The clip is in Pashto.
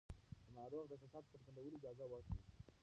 د ناروغ د احساساتو څرګندولو اجازه ورکړل شي.